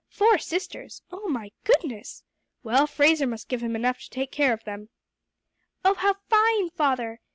Four sisters oh my goodness! Well, Fraser must give him enough to take care of them." "Oh, how fine, father!"